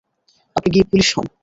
আপনি গিয়ে পুলিশ হন।